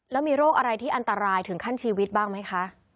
แล้วมีโรคอะไรที่อันตรายถึงขั้นชีวิตบ้างไหมคะ